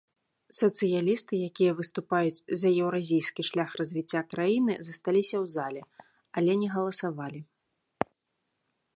Сацыялісты, якія выступаюць за еўразійскі шлях развіцця краіны, засталіся ў зале, але не галасавалі.